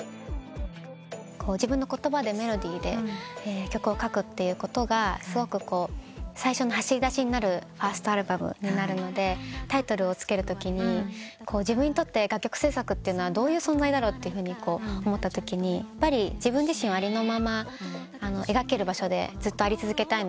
自分の言葉でメロディーで曲を書くってことが最初の走り出しになるファーストアルバムになるのでタイトルを付けるときに自分にとって楽曲制作はどういう存在だろって思ったときにやっぱり自分自身をありのまま描ける場所でずっとあり続けたいなと思って。